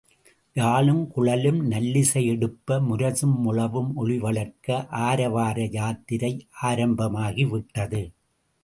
யாழுங் குழலும் நல்லிசை எடுப்ப, முரசும் முழவும் ஒலி வளர்க்க ஆரவார யாத்திரை ஆரம்பமாகிவிட்டது.